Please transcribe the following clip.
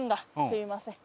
すみません。